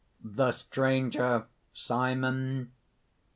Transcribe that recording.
_) THE STRANGER SIMON.